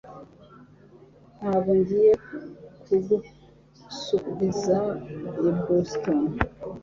Ntabwo ngiye kugusubiza i Boston